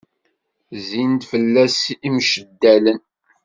Zzin-d fell-as imceddalen.